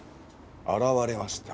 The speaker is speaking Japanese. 現れました。